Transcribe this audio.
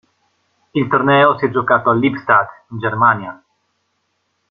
Il torneo si è giocato a Lippstadt in Germania.